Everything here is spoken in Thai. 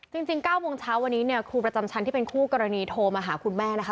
จริง๙โมงเช้าวันนี้เนี่ยครูประจำชั้นที่เป็นคู่กรณีโทรมาหาคุณแม่นะคะ